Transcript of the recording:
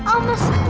oh masa tuh ma